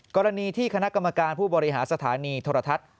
กรณีที่คณะกรรมการผู้บริหารสถานีโทรทัศน์